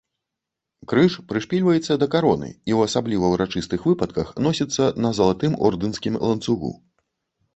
Крыж прышпільваецца да кароны і ў асабліва ўрачыстых выпадках носіцца на залатым ордэнскім ланцугу.